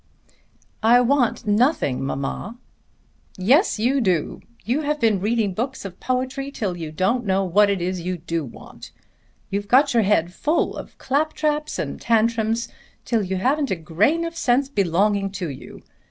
"I want nothing, mamma." "Yes you do. You have been reading books of poetry till you don't know what it is you do want. You've got your head full of claptraps and tantrums till you haven't a grain of sense belonging to you.